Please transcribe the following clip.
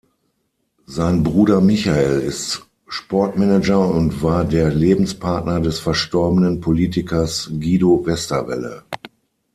Sein Bruder Michael ist Sportmanager und war der Lebenspartner des verstorbenen Politikers Guido Westerwelle.